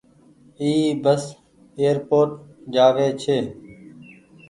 اي بس ايئر پوٽ جآ وي ڇي۔